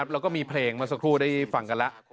แล้วก็มีเพลงเมื่อสักครู่ได้ฟังกันแล้ว